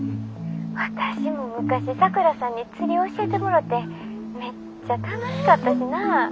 私も昔さくらさんに釣り教えてもろてめっちゃ楽しかったしな。